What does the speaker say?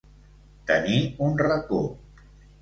Tenir un racó.